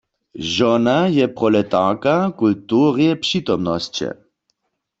Žona je proletarka w kulturje přitomnosće.